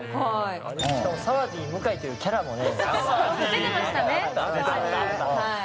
サワディー向井というキャラもね。